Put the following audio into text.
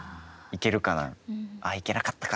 行けるかな？